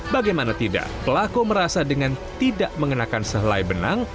bagaimana tidak pelaku merasa dengan tidak mengenakan sehelai benang